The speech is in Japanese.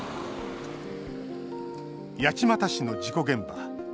八街市の事故現場。